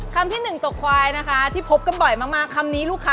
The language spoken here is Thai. คำที่หนึ่งตกควายนะคะที่พบกันบ่อยมากคำนี้ลูกค้า